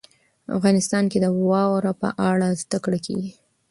افغانستان کې د واوره په اړه زده کړه کېږي.